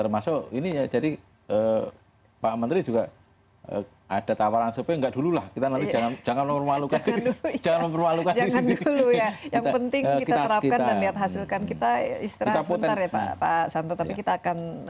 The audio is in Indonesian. minat baca indonesia